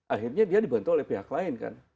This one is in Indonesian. akhirnya dia dibantu oleh pihak lain kan